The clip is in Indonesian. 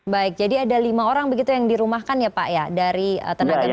baik jadi ada lima orang begitu yang dirumahkan ya pak ya dari tenaga medis